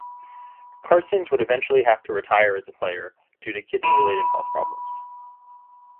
Carstens would eventually have to retire as a player due to kidney-related health problems.